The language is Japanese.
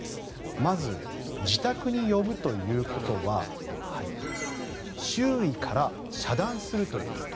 まず、自宅に呼ぶということは周囲から遮断するということ。